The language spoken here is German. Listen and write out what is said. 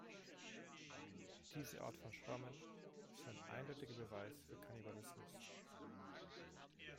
Diese Art von Schrammen sind ein eindeutiger Beweis für Kannibalismus.